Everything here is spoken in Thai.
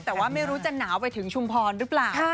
แต่ว่าไม่รู้จะหนาวไปถึงชุมพรหรือเปล่า